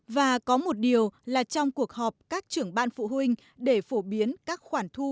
và có một điều là trong cuộc họp các trưởng ban phụ huynh để phổ biến các khoản thu